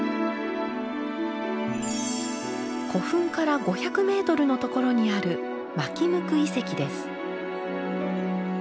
古墳から５００メートルのところにある纒向遺跡です。